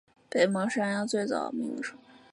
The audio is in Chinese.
北蒙是安阳最早的名称。